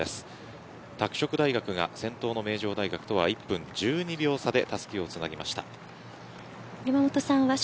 拓殖大学が先頭の名城大学とは１分１２秒差でたすきをつなぎました。